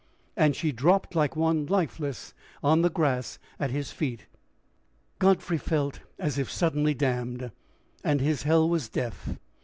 And she dropped like one lifeless on the grass at his feet. Godfrey felt as if suddenly damned; and his hell was death.